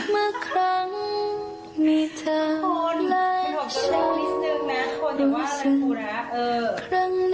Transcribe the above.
เมื่อกลังมีเธอคน